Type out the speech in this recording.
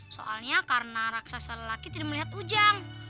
soalnya karena raksasa lelaki tidak melihat ujang